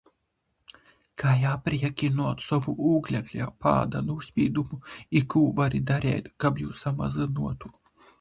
Kai apriekinuot sovu ūglekļa pāda nūspīdumu i kū vari dareit, kab jū samazynuotu.